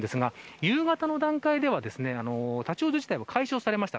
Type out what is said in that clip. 夕方の段階では、立ち往生自体が解消されました。